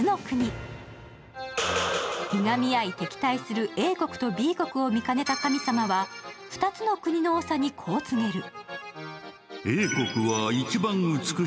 いがみ合い敵対するＡ国とＢ国を見かねた神様は２つの国の長にこう告げる。